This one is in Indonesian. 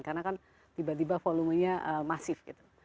karena kan tiba tiba volumenya masif gitu